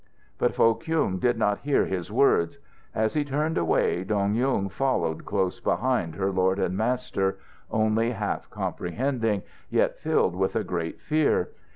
But Foh Kyung did not hear his words. As he turned away, Dong Yung followed close behind her lord and master, only half comprehending, yet filled with a great fear.